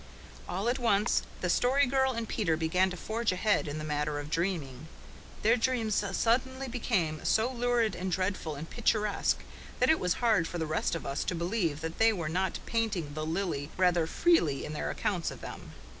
All at once the Story Girl and Peter began to forge ahead in the matter of dreaming. Their dreams suddenly became so lurid and dreadful and picturesque that it was hard for the rest of us to believe that they were not painting the lily rather freely in their accounts of them.